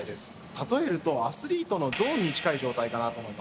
例えるとアスリートのゾーンに近い状態かなと思います。